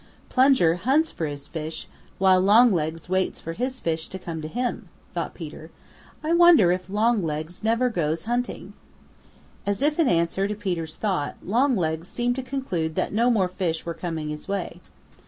"Plunger hunts for his fish while Longlegs waits for his fish to come to him," thought Peter. "I wonder if Longlegs never goes hunting." As if in answer to Peter's thought Longlegs seemed to conclude that no more fish were coming his way.